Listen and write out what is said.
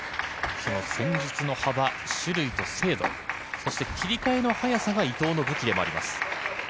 その戦術の幅、種類と精度そして、切り替えの早さが伊藤の武器でもあります。